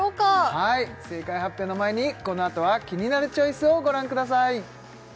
はい正解発表の前にこのあとは「キニナルチョイス」をご覧ください